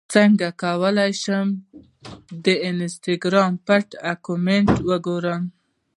څنګه کولی شم د انسټاګرام پټ اکاونټ وګورم